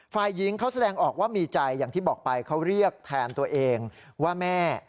ฝ่ายหญิงเขาแสดงออกว่ามีใจอย่างที่บอกไปเขาเรียกแทนตัวเองว่าแม่